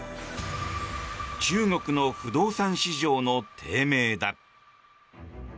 中国の不動産市場の低迷だ。